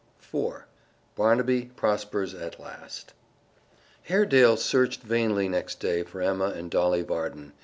IV BARNABY PROSPERS AT LAST Haredale searched vainly next day for Emma and Dolly Varden.